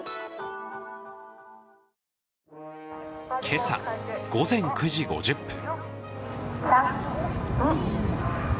今朝、午前９時５０分。